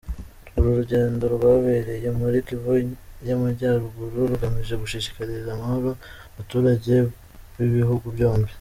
Uru rugendo rwabereye muri Kivu y’Amajyaruguru rugamije gushishikariza amahoro abaturage b’ibihugu byombi.